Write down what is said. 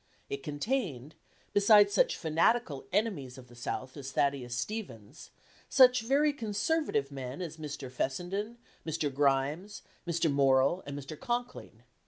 It contained, besides such fanatical enemies of the South as Thaddeus Stevens, such very conservative men as Mr. Fessenden, Mr. Grimes, Mr. Morrill, and Mr. Conkling.